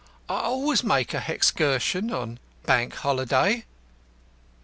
"I always make a hexcursion on Bank Holiday."